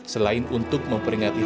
selain untuk memperingati hari ini